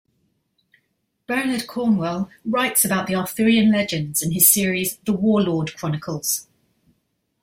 Bernard Cornwell writes about the Arthurian legends in his series "The Warlord Chronicles".